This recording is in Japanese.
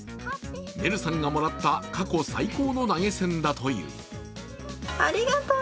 めるさんがもらった、過去最高の投げ銭だという。